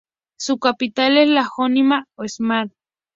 Su capital es la homónima Smolensk.